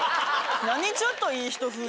何ちょっといい人ふうに。